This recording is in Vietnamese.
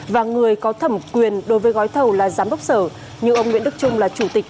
và người có thẩm quyền đối với gói thầu là giám đốc sở nhưng ông nguyễn đức trung là chủ tịch